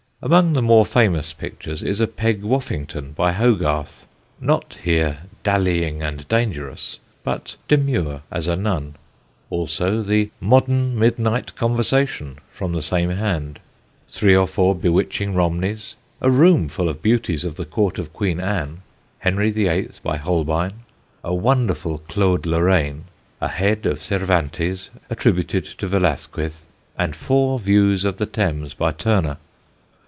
Among the more famous pictures is a Peg Woffington by Hogarth, not here "dallying and dangerous," but demure as a nun; also the "Modern Midnight Conversation" from the same hand; three or four bewitching Romneys; a room full of beauties of the Court of Queen Anne; Henry VIII by Holbein; a wonderful Claude Lorraine; a head of Cervantes attributed to Velasquez; and four views of the Thames by Turner.